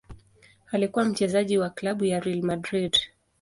Alikuwa mchezaji wa klabu ya Real Madrid.